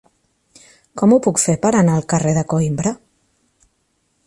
Com ho puc fer per anar al carrer de Coïmbra?